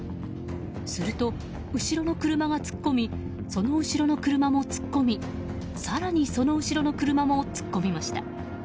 すると、後ろの車が突っ込みその後ろの車も突っ込み更に、その後ろの車も突っ込みました。